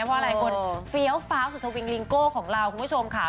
ว่าหลายคนเฟี้ยวฟ้าวสุดสวิงลิงโก้ของเราคุณผู้ชมค่ะ